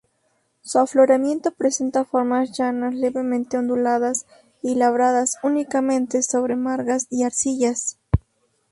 Su afloramiento presenta formas llanas levemente onduladas y labradas únicamente sobre margas y arcillas.